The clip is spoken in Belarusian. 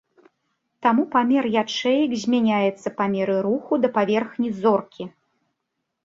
Таму памер ячэек змяняецца па меры руху да паверхні зоркі.